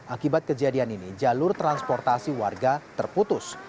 akibat kejadian ini jalur transportasi warga terputus